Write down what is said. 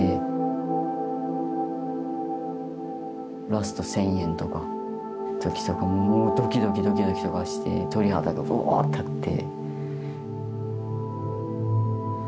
ラスト１，０００円とか時とかもうドキドキドキドキとかして鳥肌がブワー立って。